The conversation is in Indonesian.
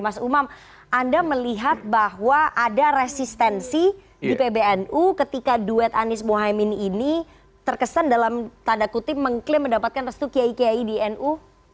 mas umam anda melihat bahwa ada resistensi di pbnu ketika duet anies mohaimin ini terkesan dalam tanda kutip mengklaim mendapatkan restu kiai kiai di nu